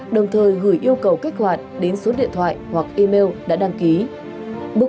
đồng thời gửi yêu cầu kết hoạt đến số định danh điện tử